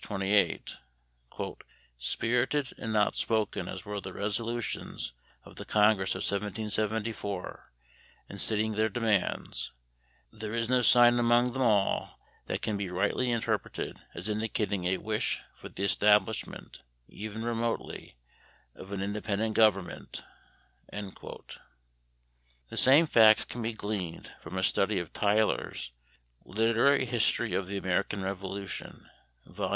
28), "spirited and outspoken as were the resolutions of the Congress of 1774 in stating their demands, there is no sign among them all that can rightly be interpreted as indicating a wish for the establishment, even remotely, of an independent government." The same facts can be gleaned from a study of Tyler's "Literary History of the American Revolution," Vol.